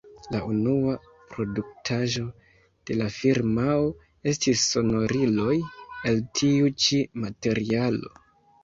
La unua produktaĵo de la firmao estis sonoriloj el tiu ĉi materialo.